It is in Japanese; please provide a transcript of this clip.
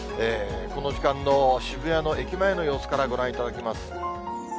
この時間の渋谷の駅前の様子からご覧いただきます。